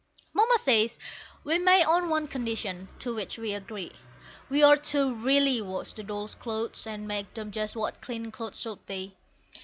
Mamma says we may on one condition, to which we agree; We're to really wash the dolls' clothes, and make them just what clean clothes should be.